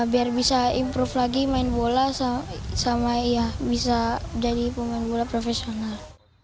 biar bisa improve lagi main bola sama ya bisa jadi pemain bola profesional